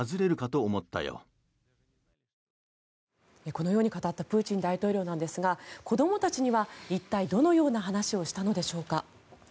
このように語ったプーチン大統領なんですが子どもたちには一体どのような話をしたのでしょうか。